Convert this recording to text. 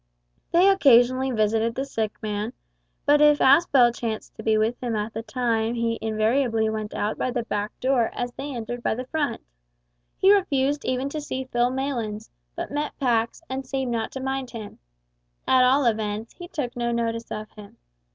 They occasionally visited the sick man, but if Aspel chanced to be with him at the time he invariably went out by the back door as they entered by the front. He refused even to see Phil Maylands, but met Pax, and seemed not to mind him. At all events he took no notice of him.